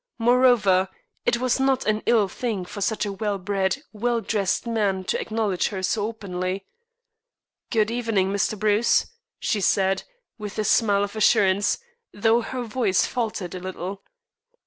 Moreover, it was not an ill thing for such a well bred, well dressed man to acknowledge her so openly. "Good evening, Mr. Bruce," she said, with a smile of assurance, though her voice faltered a little.